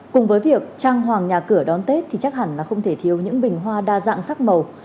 cùng với việc trang hoàng nhà cửa đón tết thì chắc hẳn là không thể thiếu những bình hoa đa dạng sắc màu